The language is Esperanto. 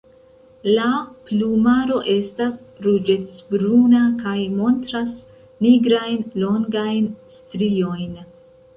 La plumaro estas ruĝecbruna kaj montras nigrajn longajn striojn.